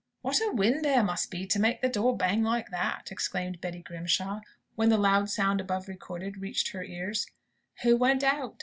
"What a wind there must be, to make the door bang like that!" exclaimed Betty Grimshaw, when the loud sound above recorded reached her ears. "Who went out?"